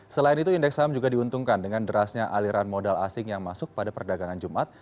selain itu indeks saham juga diuntungkan dengan derasnya aliran modal asing yang masuk pada perdagangan jumat